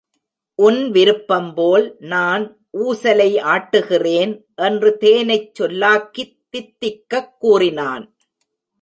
உன் விருப்பம் போல் நான் ஊசலை ஆட்டுகிறேன்! என்று தேனைச் சொல்லாக்கித் தித்திக்கக் கூறினான்.